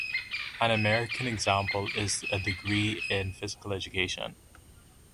An American example is a degree in physical education.